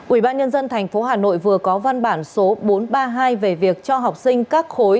ubnd tp hà nội vừa có văn bản số bốn trăm ba mươi hai về việc cho học sinh các khối